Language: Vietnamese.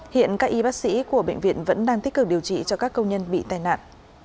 hiện các y bác sĩ của bệnh viện vẫn đang tích cực điều trị cho các công nhân bị tai nạn